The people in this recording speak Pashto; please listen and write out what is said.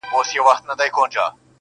هنر هنر سوم زرګري کوومه ښه کوومه,